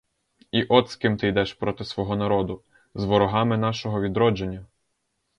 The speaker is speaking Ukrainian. І от з ким ти йдеш проти свого народу, з ворогами нашого відродження.